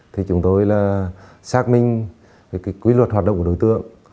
thì chúng tôi là xác minh quy luật hoạt động của đối tượng